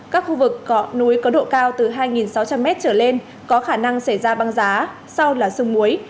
các khu vực núi có độ cao từ hai sáu trăm linh m trở lên có khả năng xảy ra băng giá sau là sương muối